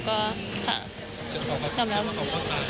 ก็เชียวบางคำว่าเขาเข้าใจ